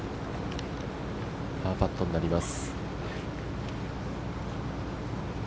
パーパットになります。